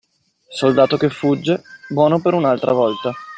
Soldato che fugge, buono per un'altra volta.